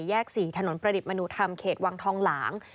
๔ถนนประดิษฐมนุธรรมเขตวังทองหลาง